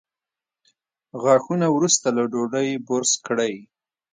غاښونه وروسته له ډوډۍ برس کړئ